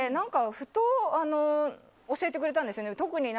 ふと教えてくれたんですね。